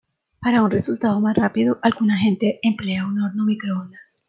Para un resultado más rápido, alguna gente emplea un horno microondas.